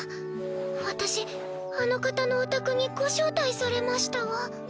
私あの方のお宅にご招待されましたわ。